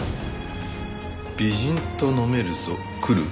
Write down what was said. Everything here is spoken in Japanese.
「美人と飲めるぞー来る？